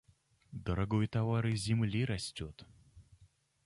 Дорогой товар из земли растет.